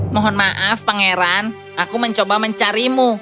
mohon maaf pangeran aku mencoba mencarimu